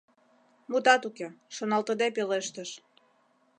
Мутат уке, шоналтыде пелештыш.